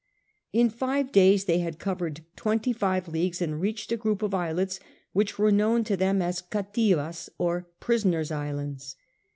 In five days they had covered twenty five leagues and reached a group of islets which was known to them as Cativaas or Prisoners' Islands.